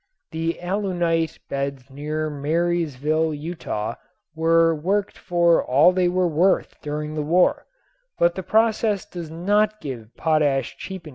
The alunite beds near Marysville, Utah, were worked for all they were worth during the war, but the process does not give potash cheap enough for our needs in ordinary times.